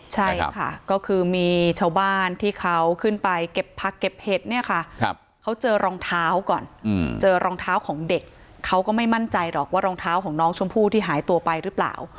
ใช่ค่ะก็คือมีชาวบ้านที่เขาขึ้นไปเก็บผักเก็บเห็ดเนี่ยค่ะเขาเจอรองเท้าก่อนเจอรองเท้าของเด็กเขาก็ไม่มั่นใจหรอกว่ารองเท้าของน้องชมพู่ที่หายตัวไปหรือเปล่า